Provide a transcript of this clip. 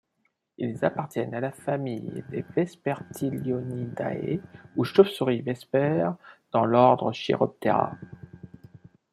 Ils appartiennent à la famille des Vespertilionidae ou chauves-souris vesper dans l'ordre Chiroptera.